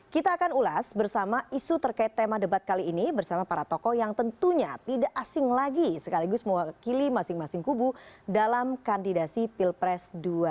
kita akan ulas bersama isu terkait tema debat kali ini bersama para tokoh yang tentunya tidak asing lagi sekaligus mewakili masing masing kubu dalam kandidasi pilpres dua ribu sembilan belas